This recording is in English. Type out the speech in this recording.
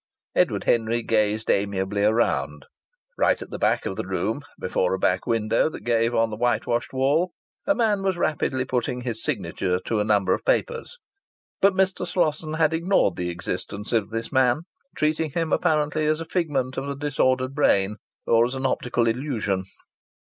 Edward Henry gazed amiably around. Right at the back of the room before a back window that gave on the whitewashed wall a man was rapidly putting his signature to a number of papers. But Mr. Slosson had ignored the existence of this man, treating him apparently as a figment of the disordered brain or as an optical illusion.